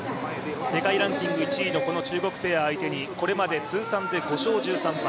世界ランキング１位の中国ペア相手に、これまで通算で５勝１３敗。